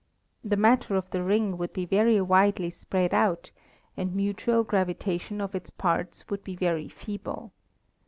The matter of the ring would be very widely spread out and mutual gravitation of its parts would be very feeble.